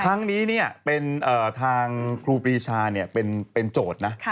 ครั้งนี้เป็นทางครูปรีชาเป็นโจทย์นะ